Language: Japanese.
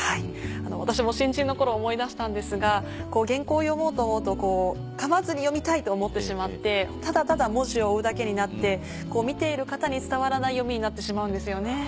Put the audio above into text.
私も新人の頃を思い出したんですが原稿を読もうと思うと噛まずに読みたいと思ってしまってただただ文字を追うだけになって見ている方に伝わらない読みになってしまうんですよね。